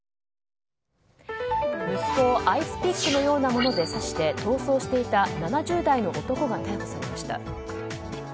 息子をアイスピックのようなもので刺して逃走していた７０代の男が逮捕されました。